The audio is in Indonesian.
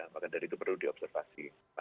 maka dari itu perlu diobservasi